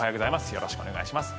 よろしくお願いします。